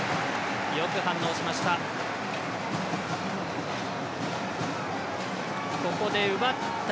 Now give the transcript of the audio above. よく反応しました。